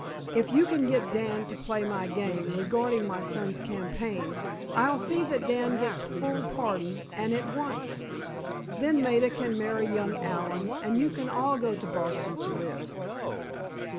If you can get Dan to play my game regarding my son's campaign, I'll see that Dan gets full pardon, and at once. Then Maida can marry young Allen and you can all go to Boston to live."